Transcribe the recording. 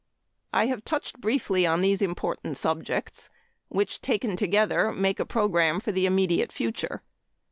I have touched briefly on these important subjects, which, taken together, make a program for the immediate future.